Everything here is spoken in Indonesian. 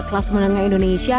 kelas menengah indonesia